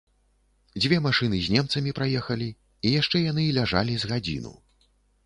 Дзве машыны з немцамі праехалі, і яшчэ яны ляжалі з гадзіну.